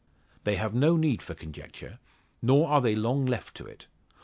They have no need for conjecture, nor are they long left to it.